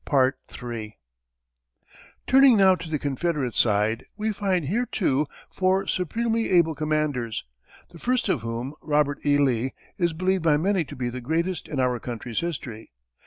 Turning now to the Confederate side, we find here, too, four supremely able commanders, the first of whom, Robert E. Lee, is believed by many to be the greatest in our country's history.